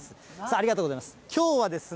ありがとうございます。